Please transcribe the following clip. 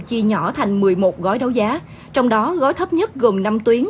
chia nhỏ thành một mươi một gói đấu giá trong đó gói thấp nhất gồm năm tuyến